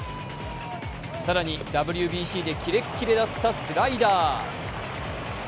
更に、ＷＢＣでキレッキレだったスライダー。